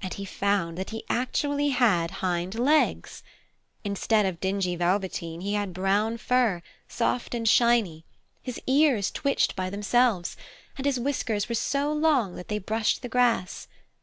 And he found that he actually had hind legs! Instead of dingy velveteen he had brown fur, soft and shiny, his ears twitched by themselves, and his whiskers were so long that they brushed the grass.